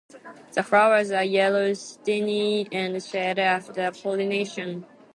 The flowers are yellow, satiny, and shed after pollination.